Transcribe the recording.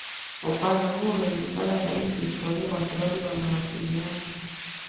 Ufalme huo umejulikana zaidi kihistoria kwa sababu ya mawasiliano